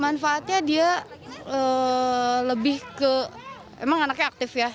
manfaatnya dia lebih ke emang anaknya aktif ya